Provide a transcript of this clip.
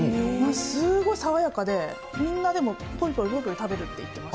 すごい爽やかで、みんなでもほいほいほいほい食べるって言ってました。